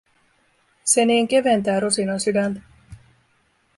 Se niin keventää Rosinan sydäntä.